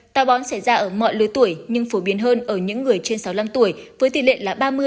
tà bón xảy ra ở mọi lưới tuổi nhưng phổ biến hơn ở những người trên sáu mươi năm tuổi với tỷ lệ là ba mươi bốn mươi